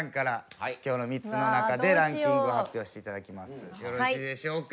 本麒麟よろしいでしょうか？